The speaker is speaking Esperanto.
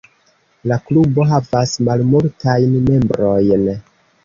La klubo havas malmultajn membrojn.